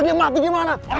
dia mati gimana